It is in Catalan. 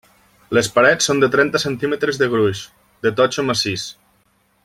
Les parets són de trenta centímetres de gruix, de totxo massís.